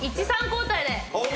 １３交代で。